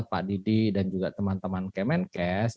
pak didi dan juga teman teman kemenkes